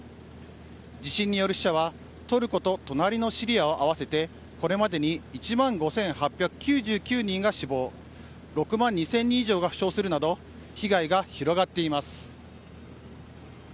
地震による死者はトルコと隣のシリアを合わせてこれまでに１万５８９９人が死亡６万２０００人以上が負傷するなど被害が広がっています。